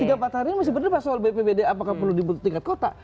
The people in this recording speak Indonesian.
tiga empat hari ini masih berdebat soal bpbd apakah perlu dibentuk tingkat kota